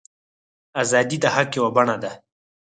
ازادي د حق یوه بڼه ده.